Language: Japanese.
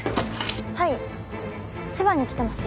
はい千葉に来てます。